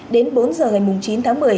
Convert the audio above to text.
đến bốn giờ ngày chín tháng một mươi